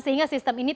sehingga sistem ini